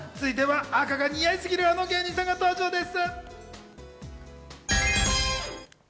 続いては、赤が似合いすぎる、あの芸人さんが登場です。